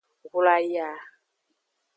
Hlwaya.